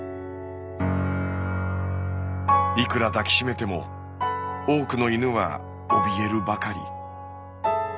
いくら抱きしめても多くの犬はおびえるばかり。